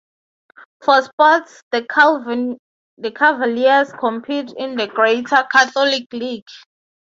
For sports the Cavaliers compete in the Greater Catholic League.